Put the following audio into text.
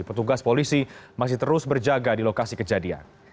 petugas polisi masih terus berjaga di lokasi kejadian